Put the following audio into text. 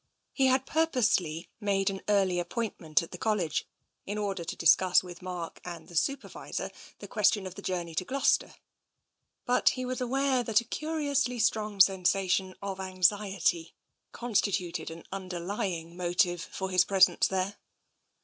He had purposely made an early appoint ment at the College, in order to discuss with Mark and the Supervisor the question of the journey to Glouces ter, but he was aware that a curiously strong sensation of anxiety constituted an underlying motive for his presence there.